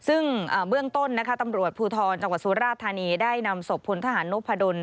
ซึ่งเบื้องต้นตำรวจภูทรจังหวัดศูนย์ราชธานีได้นำศพพลทหารโนภาดล